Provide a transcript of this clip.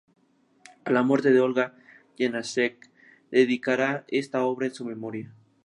A la muerte de Olga, Janáček dedicará esta obra a su memoria.